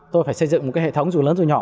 tôi phải xây dựng một cái hệ thống dù lớn dù nhỏ